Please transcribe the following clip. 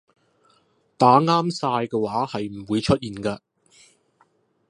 打啱晒嘅話係唔會出現㗎